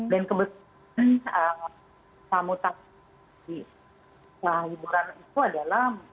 dan kebetulan tamu tamu di hiburan itu adalah